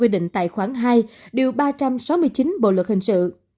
điều ba trăm sáu mươi chín bộ luật hình sự